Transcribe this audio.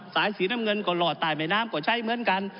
สายสีน้ำเงินก็หลอดใต้แม่น้ำก็ใช้เหมือนกัน